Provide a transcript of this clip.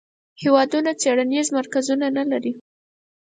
هیوادونه څیړنیز مرکزونه نه لري.